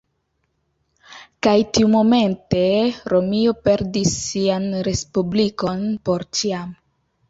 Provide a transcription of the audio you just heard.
Kaj tiumomente Romio perdis sian Respublikon por ĉiam.